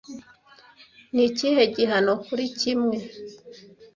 Ni ikihe gihano kuri kimwe